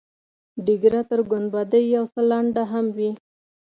ډیګره تر ګنډۍ یو څه لنډه هم وي.